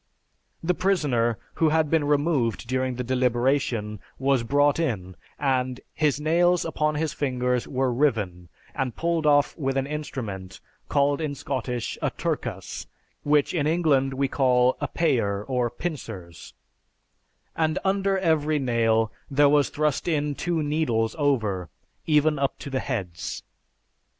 The prisoner, who had been removed during the deliberation, was brought in and "His nails upon his fingers were riven and pulled off with an instrument, called in Scottish a 'turkas,' which in England we call a 'payre' or 'pincers' and under everie nayle there was thrust in two needles over, even up to the heads.